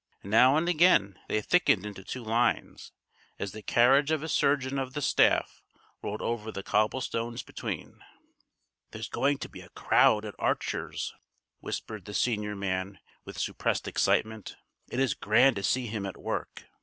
Now and again they thickened into two lines, as the carriage of a surgeon of the staff rolled over the cobblestones between. "There's going to be a crowd at Archer's," whispered the senior man with suppressed excitement. "It is grand to see him at work.